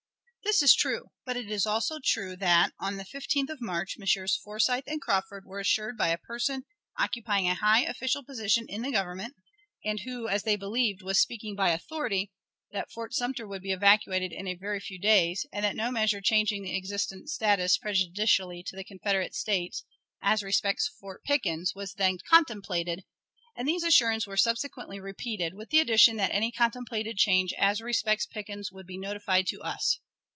This is true; but it is also true that, on the 15th of March, Messrs. Forsyth and Crawford were assured by a person occupying a high official position in the Government, and who, as they believed, was speaking by authority, that Fort Sumter would be evacuated in a very few days, and that no measure changing the existing status prejudicially to the Confederate States, as respects Fort Pickens, was then contemplated, and these assurances were subsequently repeated, with the addition that any contemplated change as respects Pickens would be notified to us.